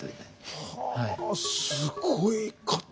はあすごい方々。